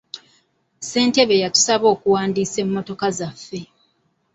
Ssentebe yatusaba okuwandiisa emmotoka zaffe.